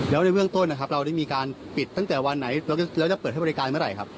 แล้วในเบื้องต้นนะครับเราได้มีการปิดตั้งแต่วันไหนแล้วจะเปิดให้บริการเมื่อไหร่ครับ